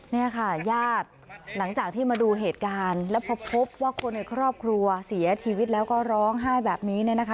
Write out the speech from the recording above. เนี่ยค่ะญาติหลังจากที่มาดูเหตุการณ์แล้วพอพบว่าคนในครอบครัวเสียชีวิตแล้วก็ร้องไห้แบบนี้เนี่ยนะคะ